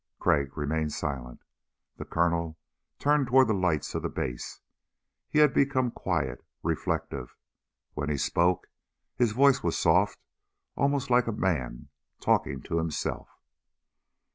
Crag remained silent. The Colonel turned toward the lights of the Base. He had become quiet, reflective. When he spoke, his voice was soft, almost like a man talking to himself.